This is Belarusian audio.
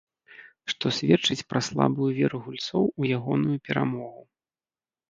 Што сведчыць пра слабую веру гульцоў у ягоную перамогу.